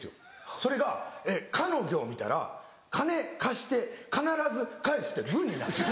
それが「か」の行見たら「金貸して必ず返す」って文になってる。